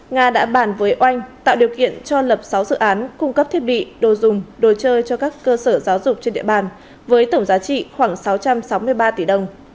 nga đã bàn với oanh tạo điều kiện cho lập sáu dự án cung cấp thiết bị đồ dùng đồ chơi cho các cơ sở giáo dục trên địa bàn với tổng giá trị khoảng sáu trăm sáu mươi ba tỷ đồng